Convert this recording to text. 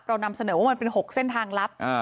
เรานำเสนอว่ามันเป็น๖เส้นทางลับ